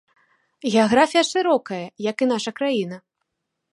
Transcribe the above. Геаграфія шырокая, як і наша краіна.